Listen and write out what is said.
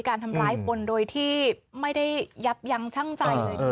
การทำร้ายคนโดยที่ไม่ได้ยับยั้งชั่งใจเลย